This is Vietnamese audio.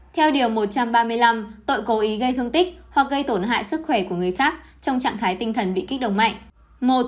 theo điều một trăm ba mươi năm tội cố ý gây thương tích hoặc gây tổn hại sức khỏe của người khác trong trạng thái tinh thần bị kích động mạnh